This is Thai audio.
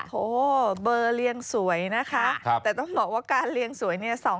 โถเบอร์เรียงสวยนะคะแต่ต้องบอกว่าการเรียงสวยเนี่ย